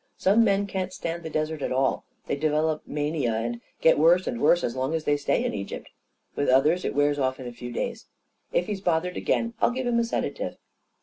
Some men can't stand the desert at all — they develop mania and get worse and worse as long as they stay in Egypt. With others it wears off in a few days. If he's bothered again, I'll give him a sedative."